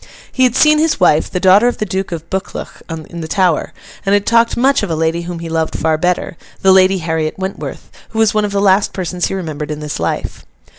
He had seen his wife, the daughter of the Duke of Buccleuch, in the Tower, and had talked much of a lady whom he loved far better—the Lady Harriet Wentworth—who was one of the last persons he remembered in this life.